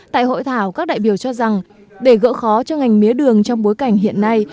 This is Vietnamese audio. tại hội thảo các đại biểu cho rằng để gỡ khó cho ngành mía đường trong bối cảnh hiện nay